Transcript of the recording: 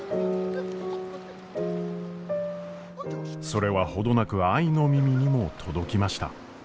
それは程なく愛の耳にも届きました。